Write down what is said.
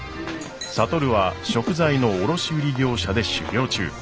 智は食材の卸売業者で修業中。